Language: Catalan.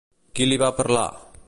Qui li va parlar?